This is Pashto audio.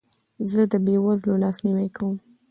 زه د بې وزلو لاسنیوی کوم.